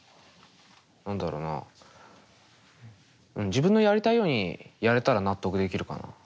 自分のやりたいようにやれたら納得できるかな。